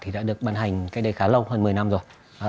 đã được bàn hành cách đây khá lâu hơn một mươi năm rồi